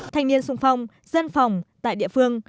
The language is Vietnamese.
thành niên xung phong dân phòng tại địa phương